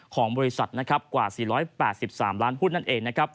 ของบริษัทกว่า๔๘๓ล้านหุ้นนั่นเองนะครับ